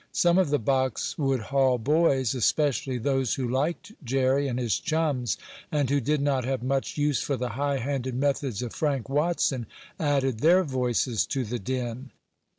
Some of the Boxwood Hall boys, especially those who liked Jerry and his chums, and who did not have much use for the high handed methods of Frank Watson, added their voices to the din.